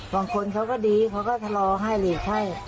บางคนเขาก็ดีเขาก็ชะลอให้หลีกให้